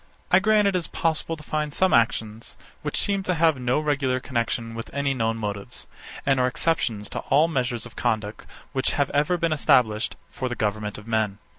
67. I grant it possible to find some actions, which seem to have no regular connexion with any known motives, and are exceptions to all the measures of conduct which have ever been established for the government of men.